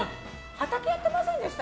畑やってませんでしたっけ？